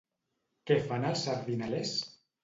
Què fan els sardinalers?